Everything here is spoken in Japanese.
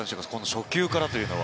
初球からというのは。